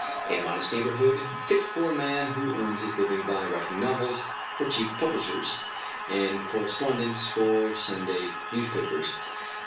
A modest neighborhood, fit for a man who earned his living by writing novels for cheap publishers, and correspondence for Sunday newspapers.